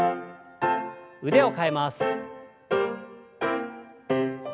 腕を替えます。